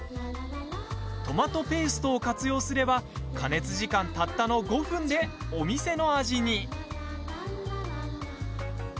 トマトペーストを活用すれば加熱時間たったの５分でお店の味に。